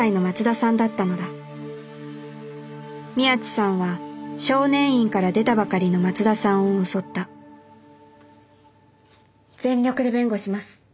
宮地さんは少年院から出たばかりの松田さんを襲った全力で弁護します。